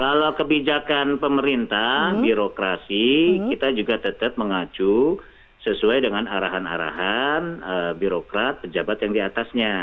kalau kebijakan pemerintah birokrasi kita juga tetap mengacu sesuai dengan arahan arahan birokrat pejabat yang diatasnya